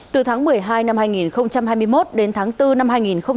từ tháng một mươi hai năm hai nghìn hai mươi một đến tháng bốn năm hai nghìn hai mươi ba